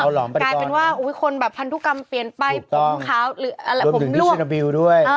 กลายเป็นว่าคนพันธุกรรมเปลี่ยนไปภูเขาหรือผมร่วม